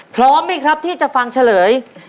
พร้อมไหมครับที่จะฟังเฉลย